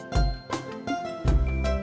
ya aku di sana